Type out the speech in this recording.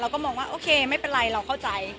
ก็มองว่าโอเคไม่เป็นไรเราเข้าใจ